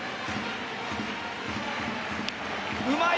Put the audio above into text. うまい！